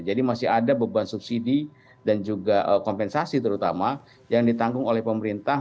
jadi masih ada beban subsidi dan juga kompensasi terutama yang ditanggung oleh pemerintah